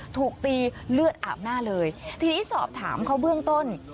ถูกตีเลือดอาบหน้าเลยทีนี้สอบถามเขาเบื้องต้น